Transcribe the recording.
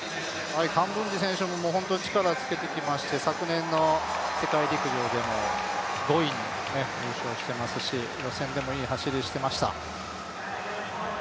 カンブンジ選手も本当に力をつけてきまして昨年の世界陸上でも５位に入賞していますし、予選でもいい走りをしていました。